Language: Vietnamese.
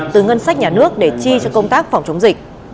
từ ngân sách nhà nước để chi cho công tác phòng chống dịch